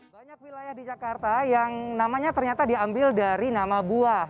banyak wilayah di jakarta yang namanya ternyata diambil dari nama buah